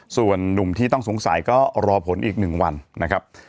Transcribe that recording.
ส่วนนุ่มที่ต้องสงสัยก็รอผลอีก๑วันนะครับ